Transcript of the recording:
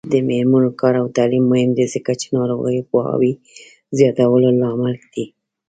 د میرمنو کار او تعلیم مهم دی ځکه چې ناروغیو پوهاوي زیاتولو لامل دی.